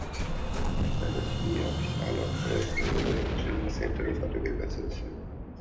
তাঁরা সেই অফিসে আলাপ করার সময় ওয়াহেদ ট্রেনিং সেন্টারের ফটকের কাছে আসেন।